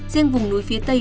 riêng vùng núi phía tây